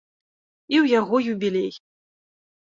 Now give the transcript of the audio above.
І ў яго юбілей.